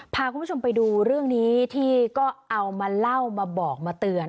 พาคุณผู้ชมไปดูเรื่องนี้ที่ก็เอามาเล่ามาบอกมาเตือน